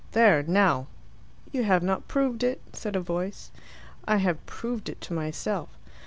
There, now." "You have not proved it," said a voice. "I have proved it to myself."